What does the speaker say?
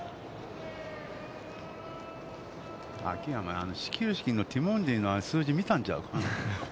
秋山は、始球式のティモンデイの数字見たんちゃうか。